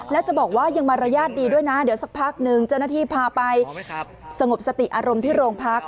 แล้วจะบอกว่ายังมารยาทดีด้วยนะเดี๋ยวสักพักนึงเจ้าหน้าที่พาไปสงบสติอารมณ์ที่โรงพัก